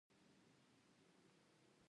د کور ګرمولو لګښت په شمال کې ډیر لوړ دی